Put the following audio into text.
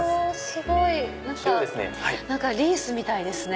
すごい！リースみたいですね。